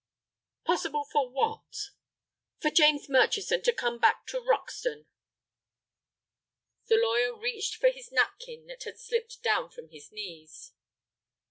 "Possible for what?" "For James Murchison to come back to Roxton?" The lawyer reached for his napkin that had slipped down from his knees.